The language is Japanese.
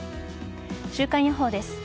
週間予報です。